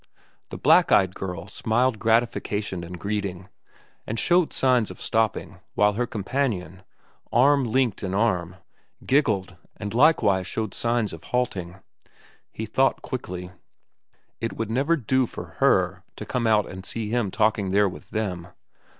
The black eyed girl smiled gratification and greeting, and showed signs of stopping, while her companion, arm linked in arm, giggled and likewise showed signs of halting. He thought quickly. It would never do for Her to come out and see him talking there with them.